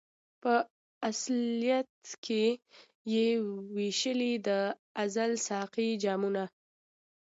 په الست کي یې وېشلي د ازل ساقي جامونه